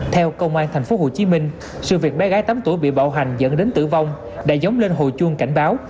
theo công an tp hcm sự việc bé gái tám tuổi bị bạo hành dẫn đến tử vong đã giống lên hồi chuông cảnh báo